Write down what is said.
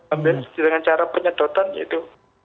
ambil dengan cara penyedotan yaitu